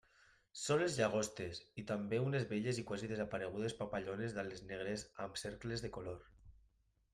Són les llagostes, i també unes belles i quasi desaparegudes papallones d'ales negres amb cercles de color.